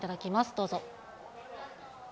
どうぞ。